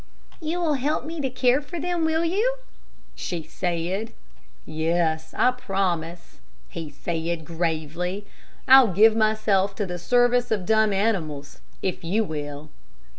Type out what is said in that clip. "You will help me to care for them, will you?" she said. "Yes, I promise," he said, gravely. "I'll give myself to the service of dumb animals, if you will."